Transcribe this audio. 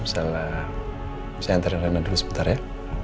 misalnya saya antarin rena dulu sebentar ya